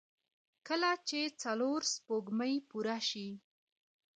کله چې څلور سپوږمۍ پوره شي.